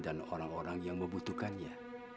dan orang orang yang membutuhkannya